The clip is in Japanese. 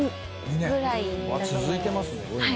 続いてますね。